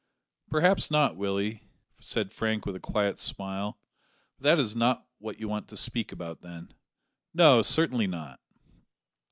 "Perhaps not, Willie," said Frank with a quiet smile; "but that is not what you want to speak about, then?" "No, certainly not."